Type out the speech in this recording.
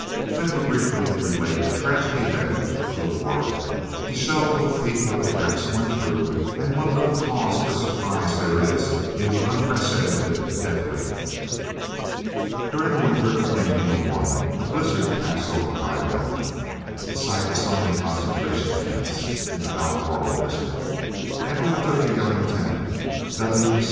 Let me briefly relate a tragic event of the war to show what the people of the camps went through and what little cause for surprise there is in the unprecedented death rate. During the winter of 1901 a blizzard passed over the High Veld, the site of so many Concentration Camps, in the Balmoral district, and overtook a young lieutenant, W. St.